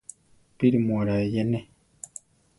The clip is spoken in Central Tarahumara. ¿Píri mu oraa eyene?